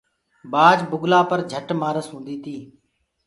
بآج بُگلآ پر جھٽ مآس هوندي تي۔